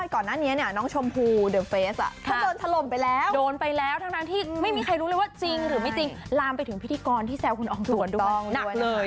คุณผู้ชมเดี๋ยวใช้สติกันก่อนนะ